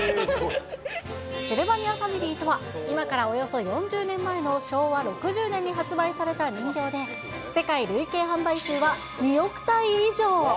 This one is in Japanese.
シルバニアファミリーとは、今からおよそ４０年前の昭和６０年に発売された人形で、世界累計販売数は２億体以上。